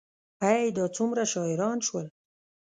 ای، دا څومره شاعران شول